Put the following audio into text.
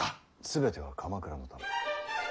全ては鎌倉のため。